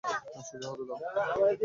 সোজা হতে দাও!